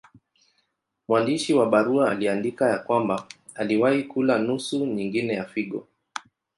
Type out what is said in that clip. Mwandishi wa barua aliandika ya kwamba aliwahi kula nusu nyingine ya figo.